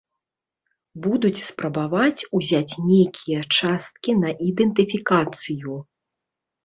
Будуць спрабаваць узяць нейкія часткі на ідэнтыфікацыю.